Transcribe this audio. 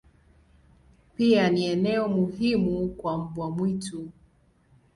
Pia ni eneo muhimu kwa mbwa mwitu.